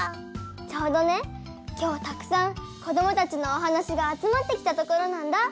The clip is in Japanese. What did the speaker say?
ちょうどね今日たくさんこどもたちのおはなしがあつまってきたところなんだ！